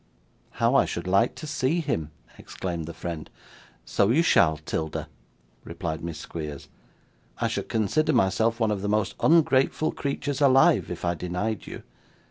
'How I should like to see him!' exclaimed the friend. 'So you shall, 'Tilda,' replied Miss Squeers. 'I should consider myself one of the most ungrateful creatures alive, if I denied you.